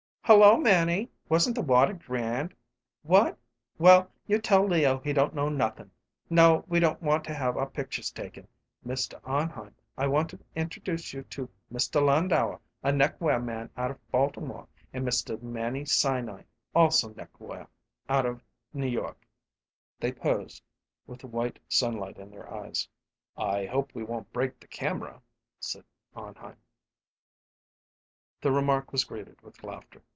"Hello, Manny! Wasn't the water grand? What? Well, you tell Leo he don't know nothin'. No, we don't want to have our pictures taken! Mr. Arnheim, I want to introduce you to Mr. Landauer, a neckwear man out of Baltimore, and Mr. Manny Sinai, also neckwear, out of New York." They posed, with the white sunlight in their eyes. "I hope we won't break the camera," said Arnheim. The remark was greeted with laughter.